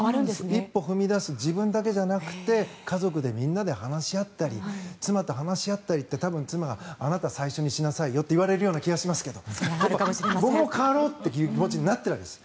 一歩踏み出す自分だけじゃなくて家族でみんなで話し合ったり妻と話し合ったり多分、妻にあなた、最初にしなさいよって言われると思いますが僕も変わろうって気持ちになっているわけです。